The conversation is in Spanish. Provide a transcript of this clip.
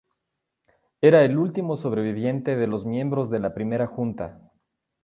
Era el último sobreviviente de los miembros de la Primera Junta.